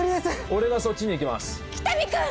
俺がそっちに行きます喜多見くん！